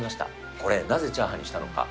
これ、なぜチャーハンにしたのか。